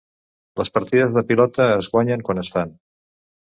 Les partides de pilota es guanyen quan es fan.